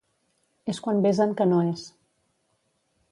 És quan besen que no és.